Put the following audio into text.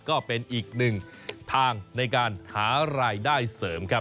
ก็เป็นอีกหนึ่งทางในการหารายได้เสริมครับ